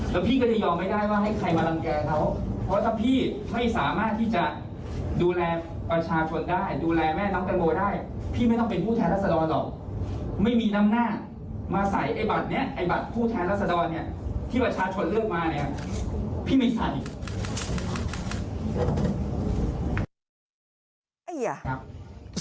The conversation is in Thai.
แล้วพี่ก็จะยอมไม่ได้ว่าให้ใครมารังแก่เขาเพราะถ้าพี่ไม่สามารถที่จะดูแลประชาชนได้ดูแลแม่น้องแตงโมได้พี่ไม่ต้องเป็นผู้แทนรัศดรหรอกไม่มีน้ำหน้ามาใส่ไอ้บัตรนี้ไอ้บัตรผู้แทนรัศดรเนี่ยที่ประชาชนเลือกมาเนี่ยพี่ไม่ใส่